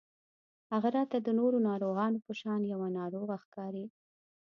هغه راته د نورو ناروغانو په شان يوه ناروغه ښکاري